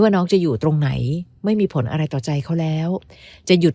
น้องจะอยู่ตรงไหนไม่มีผลอะไรต่อใจเขาแล้วจะหยุด